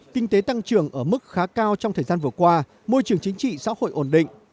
kinh tế tăng trưởng ở mức khá cao trong thời gian vừa qua môi trường chính trị xã hội ổn định